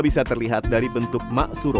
bisa terlihat dari bentuk maksuro atau mihrob